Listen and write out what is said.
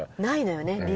ないのよね